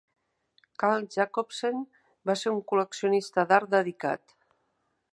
Carl Jacobsen va ser un col·leccionista d'art dedicat.